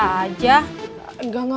sejauh kayak sudisan yuk